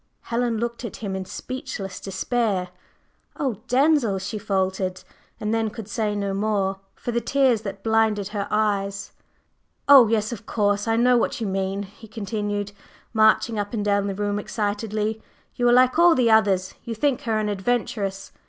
Helen looked at him in speechless despair. "Oh, Denzil!" she faltered, and then could say no more, for the tears that blinded her eyes. "Oh, yes, of course, I know what you mean!" he continued, marching up and down the room excitedly. "You are like all the others; you think her an adventuress.